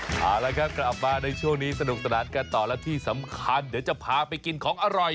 เอาละครับกลับมาในช่วงนี้สนุกสนานกันต่อและที่สำคัญเดี๋ยวจะพาไปกินของอร่อย